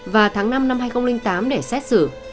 và tháng năm năm hai nghìn tám để xét xử